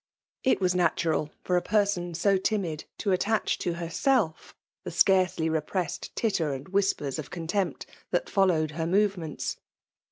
It was natural for a per son so timid to attach to herself the scarcely repressed titter and whispers of contempt that fqllowed her movements.